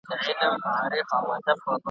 شمع نه په زړه کي دښمني لري `